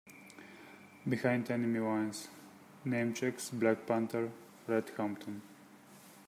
"Behind Enemy Lines" namechecks Black Panther Fred Hampton.